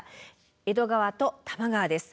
江戸川と多摩川です。